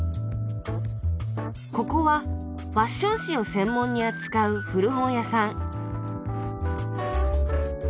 ここはファッション誌を専門に扱う古本屋さん